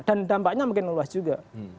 dan dampaknya makin luas juga